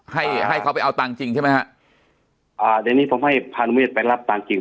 ให้ให้เขาไปเอาตังจริงใช่ไหมครับอ่าในนี้ผมให้ภารกิจไปรับตังจริง